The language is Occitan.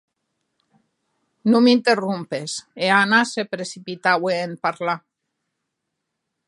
Non m'interrompes, e Anna se precipitaue en parlar.